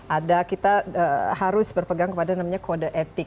ada kita harus berpegang kepada namanya kode etik